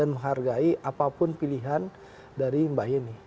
menghargai apapun pilihan dari mbak yeni